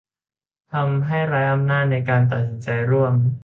ทำให้ไร้อำนาจในการตัดสินใจร่วม